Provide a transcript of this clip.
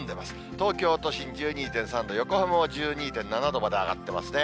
東京都心１２．３度、横浜も１２．７度まで上がってますね。